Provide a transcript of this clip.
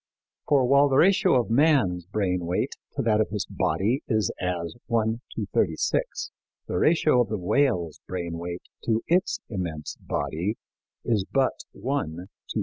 For while the ratio of man's brain weight to that of his body is as 1 to 36, the ratio of the whale's brain weight to its immense body is but 1 to 3,000.